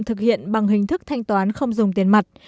thực hiện bằng hình thức thanh toán không dùng tiền mặt